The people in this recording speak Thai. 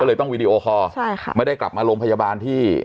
เลยต้องวีดีโอคอร์ใช่ค่ะไม่ได้กลับมาโรงพยาบาลที่